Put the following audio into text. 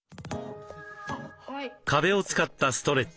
壁を使ったストレッチ。